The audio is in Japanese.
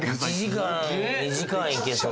１時間２時間いけそう。